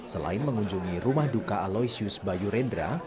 selain mengunjungi rumah duka aloysius bayu rendra